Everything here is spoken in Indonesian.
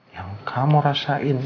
yang kamu rasain